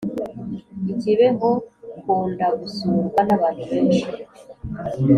iKibeho hkunda gusurwa n’abantu benshi.